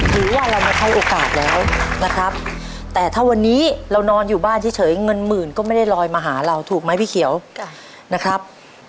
หรือว่าเรามาใช้โอกาสแล้วนะครับแต่ถ้าวันนี้เรานอนอยู่บ้านเฉยเงินหมื่นก็ไม่ได้ลอยมาหาเราถูกไหมพี่เขียวนะครับ